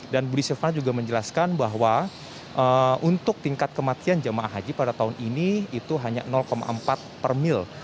dan budi silvana juga menjelaskan bahwa untuk tingkat kematian jemaah haji pada tahun ini itu hanya empat per mil